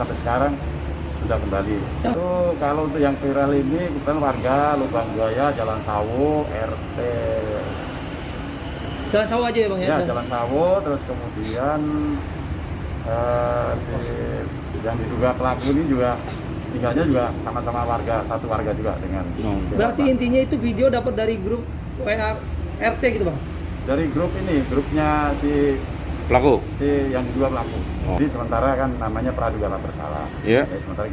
ibu ingat air usok